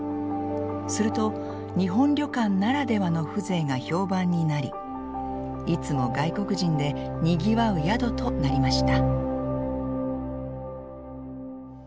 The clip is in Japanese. すると日本旅館ならではの風情が評判になりいつも外国人でにぎわう宿となりました。